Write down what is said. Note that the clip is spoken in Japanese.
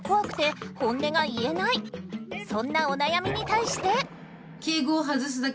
そんなお悩みに対して。